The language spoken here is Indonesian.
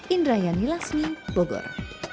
indra yani lasmi bogor